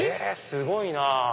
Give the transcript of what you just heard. すごいな！